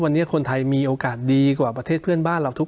วันนี้คนไทยมีโอกาสดีกว่าประเทศเพื่อนบ้านเราทุก